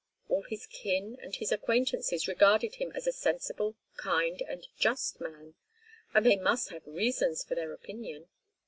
All his kin and his acquaintances regarded him as a sensible, kind and just man—and they must have reasons for their opinion.